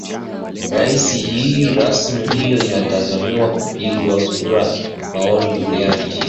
Rasimu hiyo inatazamiwa kupigiwa kura ya maoni Julai ishirini na tano mwaka mmoja baada ya Rais Kais Saied kunyakua madaraka makubwa